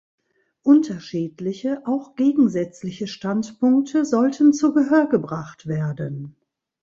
Unterschiedliche, auch gegensätzliche Standpunkte sollten zu Gehör gebracht werden.